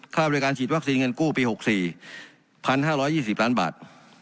บริการฉีดวัคซีนเงินกู้ปี๖๔๑๕๒๐ล้านบาท